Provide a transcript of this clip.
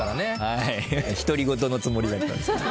独り言のつもりだったんですけど。